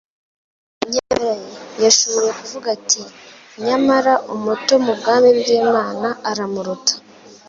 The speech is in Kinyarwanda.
Nyamara Ye; yashoboye kuvuga ati: "nyamara umuto mu bwami bw'Imana aramuruta."